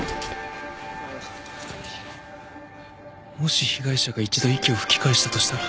もし被害者が一度息を吹き返したとしたら。